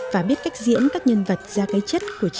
và biết cách diễn các nhân vật ra cái chất của trẻ